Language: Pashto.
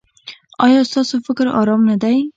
ایا ستاسو فکر ارام نه دی؟